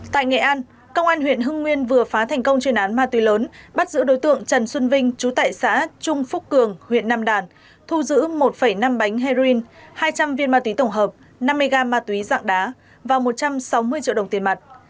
tại nghệ an công an huyện hưng nguyên vừa phá thành công chuyên án ma túy lớn bắt giữ đối tượng trần xuân vinh chú tại xã trung phúc cường huyện nam đàn thu giữ một năm bánh heroin hai trăm linh viên ma túy tổng hợp năm mươi gram ma túy dạng đá và một trăm sáu mươi triệu đồng tiền mặt